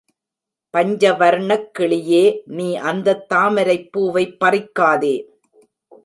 பஞ்சவர்ணக்கிளியே, நீ அந்தத் தாமரைப் பூவைப் பறிக்காதே.